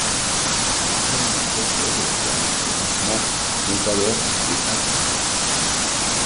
Les premiers projets de la période de lancement ont alors été atteint.